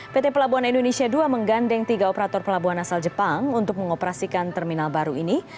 pt pelabuhan indonesia ii menggandeng tiga operator pelabuhan asal jepang untuk mengoperasikan terminal baru ini